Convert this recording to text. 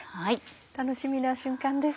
楽しみな瞬間です。